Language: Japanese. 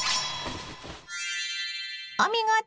お見事！